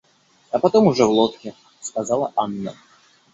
А потом уже в лодке, — сказала Анна.